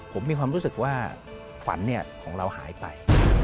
ผมมีความรู้สึกว่าฝันของเราหายไป